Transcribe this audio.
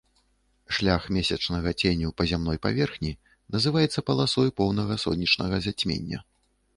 Шлях месячнага ценю па зямной паверхні называецца паласой поўнага сонечнага зацьмення.